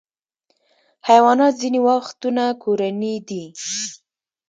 حیوانات ځینې وختونه کورني دي.